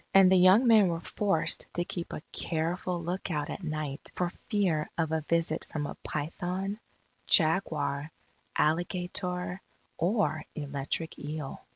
And the young men were forced to keep a careful lookout at night for fear of a visit from a python, jaguar, alligator, or electric eel.